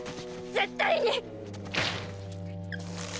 絶対にッ！